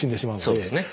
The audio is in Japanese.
そうですね。